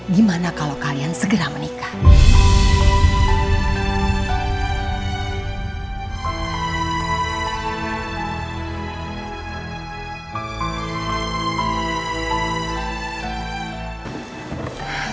gimana kalau kalian segera menikah